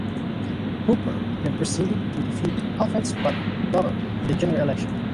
Hooper then proceeded to defeat Alfred's brother, Robert, in the general election.